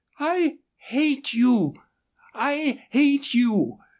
I hate you! I hate you!